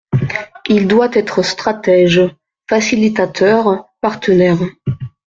Il doit être stratège, facilitateur, partenaire.